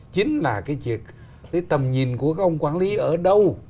chính là cái tầm nhìn của các ông quản lý ở đâu